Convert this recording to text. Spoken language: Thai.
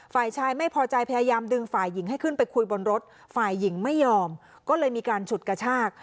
ฝ่ายชายไม่พอใจพยายามดึงฝ่ายหญิงให้ขึ้นไปคุยบนรถฝ่ายหญิงไม่ยอมก็เลยมีการฉุดกระชาก